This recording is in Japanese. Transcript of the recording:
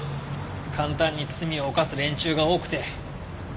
簡単に罪を犯す連中が多くて。